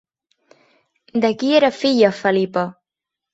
De qui era filla Felipa?